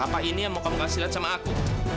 apa ini yang mau kamu kasih lihat sama aku